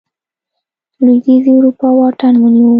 لوېدیځې اروپا واټن ونیو.